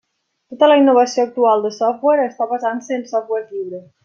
Tota la innovació actual de software es fa basant-se en software lliure.